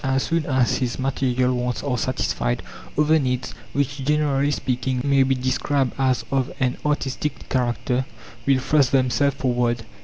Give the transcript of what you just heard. As soon as his material wants are satisfied, other needs, which, generally speaking, may be described as of an artistic character, will thrust themselves forward.